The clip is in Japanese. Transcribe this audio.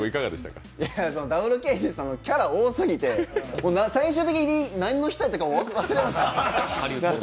Ｗ刑事さん、キャラ多すぎて最終的に何の人やったか忘れました。